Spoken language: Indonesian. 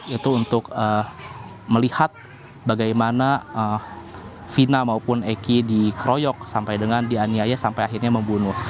itu untuk melihat bagaimana fina maupun eki dikeroyok sampai dengan dianiaya sampai akhirnya membunuh